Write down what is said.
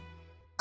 あ！